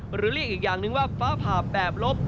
หรือเรียกอีกอย่างนึงว่าฟ้าผ่าแบบลบ